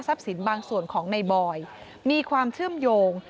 ทรัพย์สินบางส่วนของนายบอยมีความเชื่อมโยง